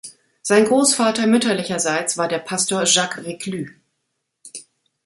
Sein Großvater mütterlicherseits war der Pastor Jacques Reclus.